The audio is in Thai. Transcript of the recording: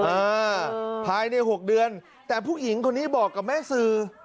อ่าภายในหกเดือนแต่ผู้หญิงคนนี้บอกกับแม่สื่อ